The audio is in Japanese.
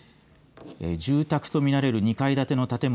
住宅と見られる２階建ての建物。